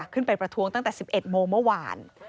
ประท้วงตั้งแต่๑๑โมงเมื่อวาน